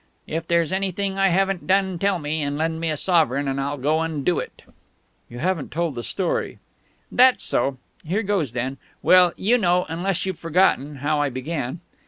If there's anything I haven't done, tell me and lend me a sovereign, and I'll go and do it." "You haven't told the story." "That's so. Here goes then ... Well, you know, unless you've forgotten, how I began...."